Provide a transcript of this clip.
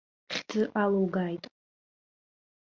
Хьӡы алоугааит!